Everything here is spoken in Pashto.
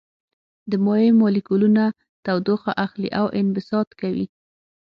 د مایع مالیکولونه تودوخه اخلي او انبساط کوي.